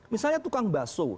misalnya tukang basuh